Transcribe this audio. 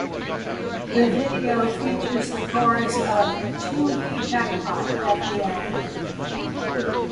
The video features the chorus of "Chingy Jackpot" at the end.